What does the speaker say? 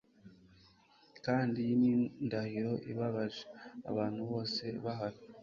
Kandi iyi ni indahiro ibabaje abantubose bahari